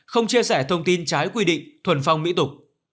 không chia sẻ thông tin trái quy định thuần phong mỹ tục